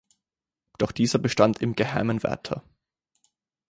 Doch dieser bestand im Geheimen weiter.